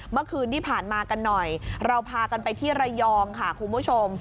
เมื่อคืนที่ผ่านมากันหน่อยเราพากันไปที่ระยองค่ะคุณผู้ชม